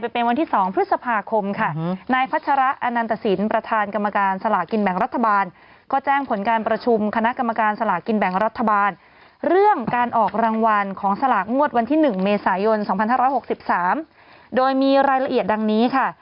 พอวันที่เก้าพอวันที่เก้าร้อยกว่าแล้วคุณนี้ก็น่าจะพันแน่นอนนะครับเนี่ยนะฮะธีร